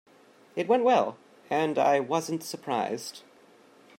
It went well, and I wasn't surprised.